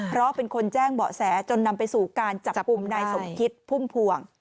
เพราะเป็นคนแจ้งเบาะแสจนนำไปสู่การจับกลุ่มนายสมคิดพุ่มพวง